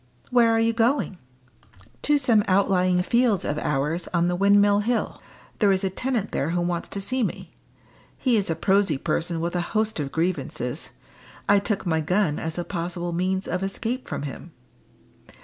"Where are you going?" "To some outlying fields of ours on the Windmill Hill. There is a tenant there who wants to see me. He is a prosy person with a host of grievances. I took my gun as a possible means of escape from him."